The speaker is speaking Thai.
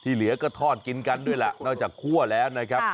เหลือก็ทอดกินกันด้วยล่ะนอกจากคั่วแล้วนะครับ